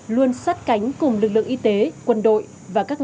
luôn sát cánh cùng lực lượng y tế quân đội và các khách sạn